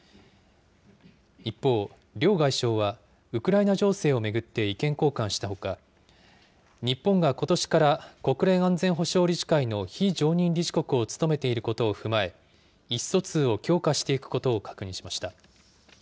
一方、両外相は、ウクライナ情勢を巡って意見交換したほか、日本がことしから国連安全保障理事会の非常任理事国を務めていることを踏まえ、意思疎通を強化していくことを確認しました。